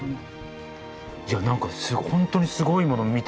いや何か本当にすごいものを見てますよね。